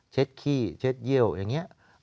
ขี้เช็ดเยี่ยวอย่างนี้